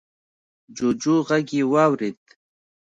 جوجو غږ يې واورېد.